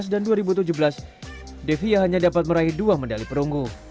dan dua ribu tujuh belas devya hanya dapat meraih dua medali perunggu